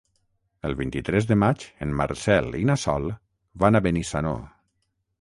El vint-i-tres de maig en Marcel i na Sol van a Benissanó.